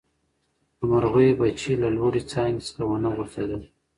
د مرغۍ بچي له لوړې څانګې څخه ونه غورځېدل.